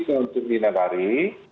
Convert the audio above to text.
untuk di negari